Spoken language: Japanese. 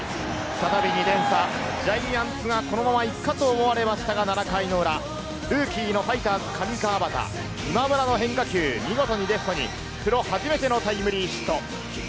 再び２点差、ジャイアンツがこのまま行くかと思われましたが、７回の裏、ルーキーのファイターズ・上川畑、プロ初めてのタイムリーヒット。